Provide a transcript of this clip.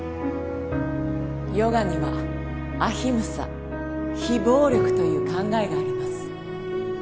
ヨガにはアヒムサ非暴力という考えがあります